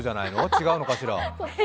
違うのかしら。